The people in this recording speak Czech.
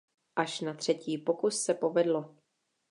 Až na třetí pokus se povedlo.